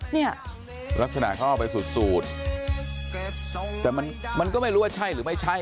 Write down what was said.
เนี่ยลักษณะเขาเอาไปสูดแต่มันมันก็ไม่รู้ว่าใช่หรือไม่ใช่